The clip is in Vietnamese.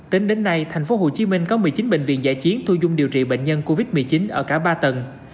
tính đến nay thành phố hồ chí minh có một mươi chín bệnh viện giải chiến thu dung điều trị bệnh nhân covid một mươi chín ở cả ba tầng